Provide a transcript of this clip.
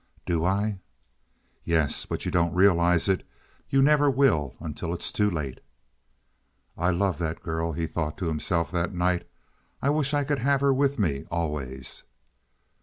"Do I?" "Yes, but you don't realize it. You never will until it is too late." "I love that girl," he thought to himself that night. "I wish I could have her with me always."